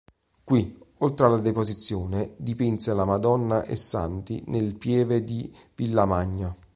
Qui, oltre alla "Deposizione" dipinse la "Madonna e santi" nella pieve di Villamagna.